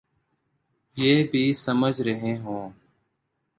یہ بھی سمجھ رہے ہوں۔